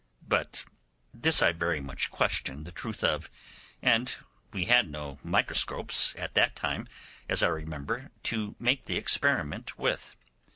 But this I very much question the truth of, and we had no microscopes at that time, as I remember, to make the experiment with.